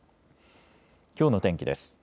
きょうの天気です。